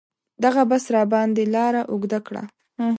دغه بس راباندې لاره اوږده کړه.